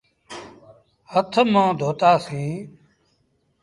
هٿ منهن دوتآ سيٚݩ۔